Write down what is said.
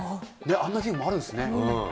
あんなゲームあるんですね。